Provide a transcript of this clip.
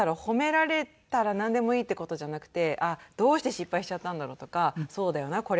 褒められたらなんでもいいって事じゃなくてどうして失敗しちゃったんだろうとかそうだよな